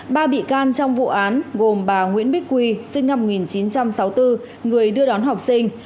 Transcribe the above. ba bị can trong vụ án gồm bà nguyễn bích quy sinh năm một nghìn chín trăm sáu mươi bốn người đưa đón học sinh